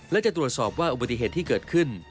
และจะตรวจสอบว่าอุบัติเหตุที่เกิดขึ้น